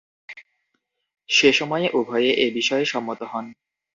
সে সময়ে উভয়ে এ বিষয়ে সম্মত হন।